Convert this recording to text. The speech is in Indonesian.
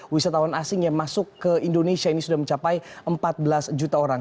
wisatawan asing yang masuk ke indonesia ini sudah mencapai empat belas juta orang